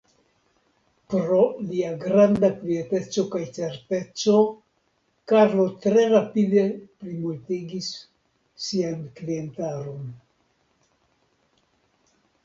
Pro lia granda kvieteco kaj certeco, Karlo tre rapide plimultigis sian klientaron.